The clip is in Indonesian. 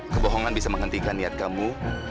kebohongan bisa menghentikan niat kamu